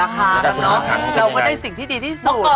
แข่งราคากันเนอะเราก็ได้สิ่งที่ดีที่สุด